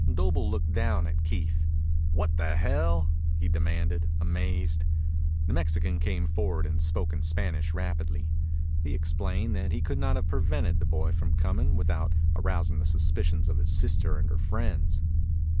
Doble looked down at Keith. "What the hell?" he demanded, amazed. The Mexican came forward and spoke in Spanish rapidly. He explained that he could not have prevented the boy from coming without arousing the suspicions of his sister and her friends.